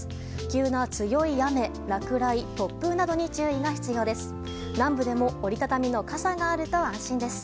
急な強い雨、落雷、突風などに注意が必要です。